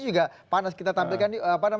juga panas kita tampilkan